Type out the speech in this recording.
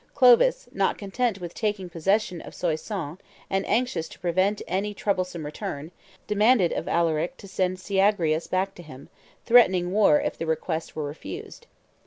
Clovis, not content with taking possession of Soissons, and anxious to prevent any troublesome return, demanded of Alaric to send Syagrius back to him, threatening war if the request were refused.